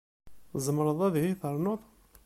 Tzemreḍ ad iyi ternuḍ?